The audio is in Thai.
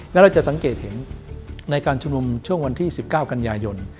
แล้วเราจะสังเกตเห็นในการชุมนุมช่วงวันที่๑๙กันยายน